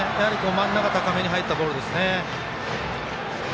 真ん中高めに入ったボールですね。